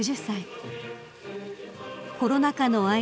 ［コロナ禍の間